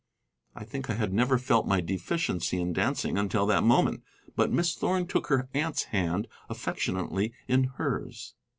I think I had never felt my deficiency in dancing until that moment. But Miss Thorn took her aunt's hand affectionately in hers.